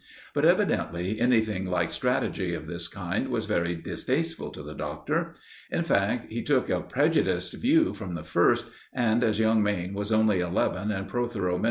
But evidently anything like strategy of this kind was very distasteful to the Doctor. In fact, he took a prejudiced view from the first, and as young Mayne was only eleven and Protheroe min.